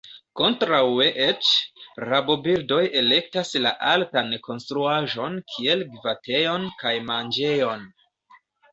Kontraŭe eĉ, rabobirdoj elektas la altan konstruaĵon kiel gvatejon kaj manĝejon.